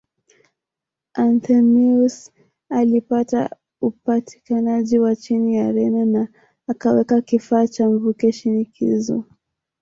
Anthemius alipata upatikanaji wa chini ya Zeno na akaweka kifaa cha mvuke shinikizo